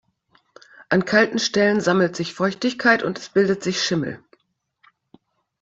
An kalten Stellen sammelt sich Feuchtigkeit und es bildet sich Schimmel.